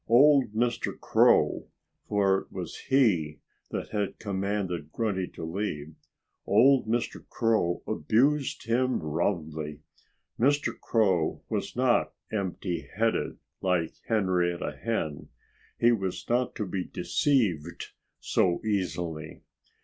Old Mr. Crow for it was he that had commanded Grunty to leave old Mr. Crow abused him roundly. Mr. Crow was not empty headed, like Henrietta Hen. He was not to be deceived so easily.